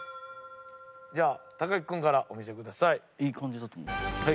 では木君からお見せください。